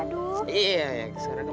nah agung bangetcdo